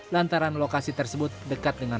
lantaran lokasi tersebut dekat dengan